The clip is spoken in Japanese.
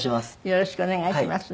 よろしくお願いします。